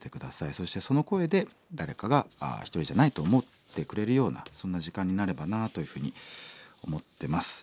そしてその声で誰かが一人じゃないと思ってくれるようなそんな時間になればなというふうに思ってます。